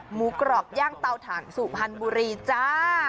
หมูกรอบย่างเตาถ่านสุพรรณบุรีจ้า